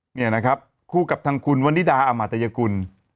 เนี่ยนะครับคู่กับทางคุณวันนิดาอามาตยกุล